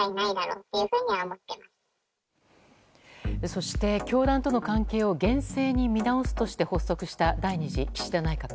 そして、教団との関係を厳正に見直すとして発足した第２次岸田内閣。